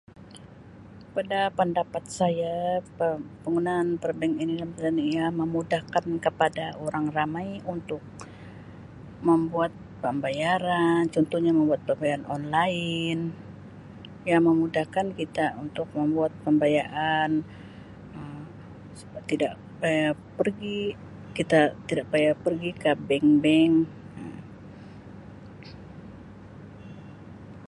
Pada pendapat saya peng-pengunaan perbankan [unintelligible] ia memudahkan kepada orang ramai untuk membuat pembayaran contohnya membuat pembayaran online dia memudahkan kita untuk membuat pembayaan Um supaya tidak payah pergi kita tidak payah pergi ke bank-bank.